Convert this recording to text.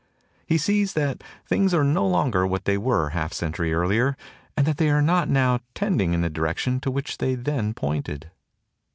He sees that things are no longer what they were half a century earlier and that they are not now tending in the direction to which they then pointed.